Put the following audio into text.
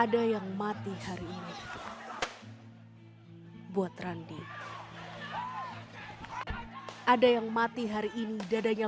ada yang mati hari ini buat randi ada yang mati hari ini dadanya